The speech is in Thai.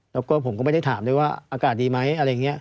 แล้วก็ผมก็ไม่ได้ถามด้วยว่าอากาศดีไหมอะไรอย่างนี้